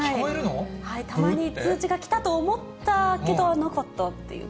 たまに通知が来たと思ったけど、なかったっていうか。